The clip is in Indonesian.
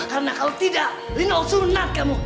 karena kalau tidak linol sunat kamu